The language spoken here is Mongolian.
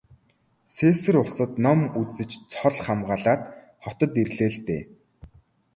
Сэсээр улсад ном үзэж цол хамгаалаад хотод ирээ л дээ.